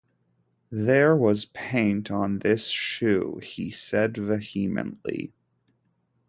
"There was paint on this shoe," he said vehemently.